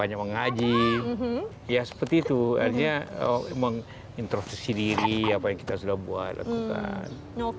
ya seperti itu introsisi diri apa yang kita sudah buat lakukan